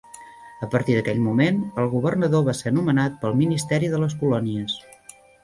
A partir d'aquell moment, el Governador va ser nomenat pel Ministeri de les Colònies.